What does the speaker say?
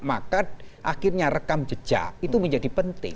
maka akhirnya rekam jejak itu menjadi penting